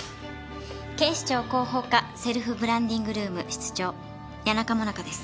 警視庁広報課セルフブランディングルーム室長谷中萌奈佳です。